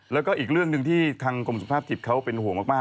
แล้วก็อีกเรื่องหนึ่งที่ทางกรมสุขภาพจิตเขาเป็นห่วงมาก